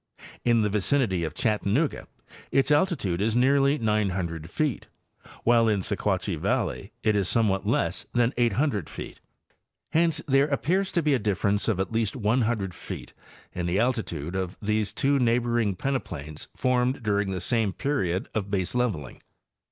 In the vicinity of Chattanooga its altitude is nearly 900 feet, while in Sequatchie valley it is somewhat less than 800 feet; hence there appears to be a difference of at least 100 feet in the altitude of these two neighboring peneplains formed dur ing the same period of baseleveling.